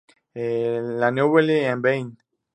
La Neuville-en-Beine